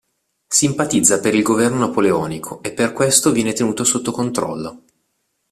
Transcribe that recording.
Simpatizza per il governo napoleonico e per questo viene tenuto sotto controllo.